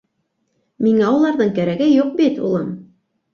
Миңә уларҙың кәрәге юҡ бит, улым.